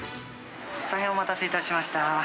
大変お待たせいたしました。